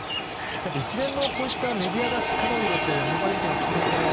一連のこういったメディアが力を入れて闇バイトは危険だよ